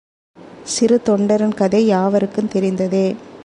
சிறுத்தொண்டரின் கதை யாவருக்கும் தெரிந்ததே.